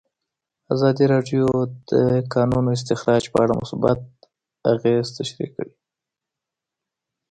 ازادي راډیو د د کانونو استخراج په اړه مثبت اغېزې تشریح کړي.